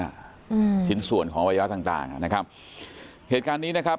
อืมชิ้นส่วนของวัยวะต่างต่างอ่ะนะครับเหตุการณ์นี้นะครับ